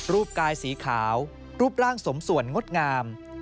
กายสีขาวรูปร่างสมส่วนงดงาม